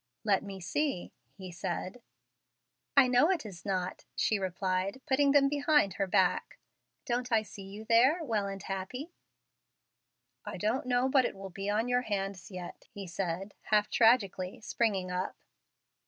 "Let me see," he said. "I know it is not," she replied, putting them behind her back; "don't I see you there well and happy?" "I don't know but it will be on your hands yet," he said, half tragically, springing up.